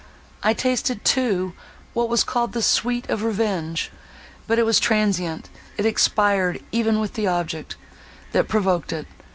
I tasted too what was called the sweet of revenge—but it was transient, it expired even with the object, that provoked it.